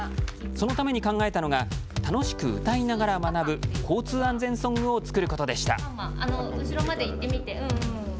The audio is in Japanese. そのために考えたのが楽しく歌いながら学ぶ交通安全ソングを作ることでした。